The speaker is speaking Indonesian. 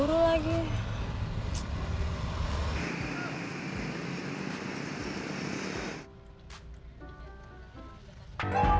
udah gini bang